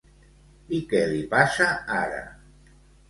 I què li passa ara?